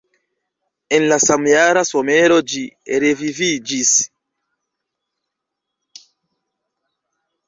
En la samjara somero ĝi reviviĝis.